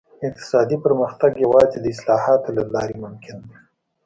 اقتصادي پرمختګ یوازې د اصلاحاتو له لارې ممکن دی.